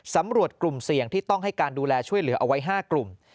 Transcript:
ตำรวจกลุ่มเสี่ยงที่ต้องให้การดูแลช่วยเหลือเอาไว้๕กลุ่ม